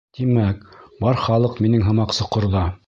Тимәк, бар халыҡ минең һымаҡ соҡорҙа.